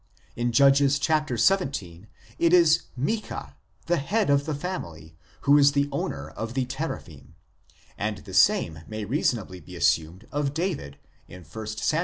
In Judges xvii. it is Micah, the head of the family, who is the owner of the Teraphim, and the same may reasonably be assumed of David in 1 Sam.